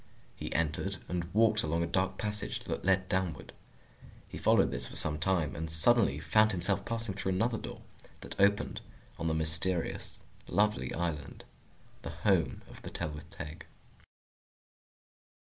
He entered, and walked along a dark passage that led downward. He followed this for some time, and suddenly found himself passing through another door, that opened on the mysterious, lovely island, the home of the Tylwyth Teg.